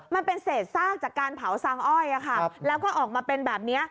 มันเป็นเศษซากจากการเผาซางอ้อยแล้วก็ออกมาเป็นแบบนี้